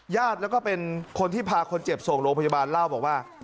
ญาติแล้วก็เป็นคนที่พาคนเจ็บส่งโรงพยาบาลเล่าบอกว่า